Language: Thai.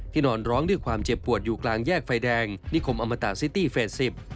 นอนร้องด้วยความเจ็บปวดอยู่กลางแยกไฟแดงนิคมอมตะซิตี้เฟส๑๐